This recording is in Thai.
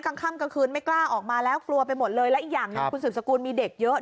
กลางค่ำกลางคืนไม่กล้าออกมานานแล้วอย่างนี้